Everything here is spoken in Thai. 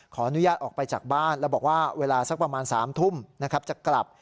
ขออนุญาตออกไปจากบ้านแล้วบอกว่าเวลาสักประมาณ๓ทุ่มนะครับจะกลับ